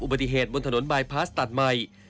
อุบัติเหตุบนถนนบายพลาสตัดใหม่